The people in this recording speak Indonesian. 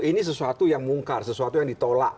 ini sesuatu yang mungkar sesuatu yang ditolak